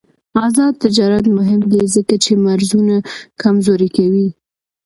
آزاد تجارت مهم دی ځکه چې مرزونه کمزوري کوي.